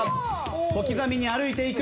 小刻みに歩いていく。